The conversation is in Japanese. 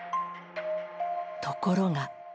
ところが。